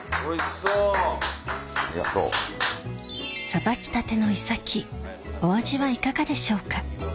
さばきたてのイサキお味はいかがでしょうか？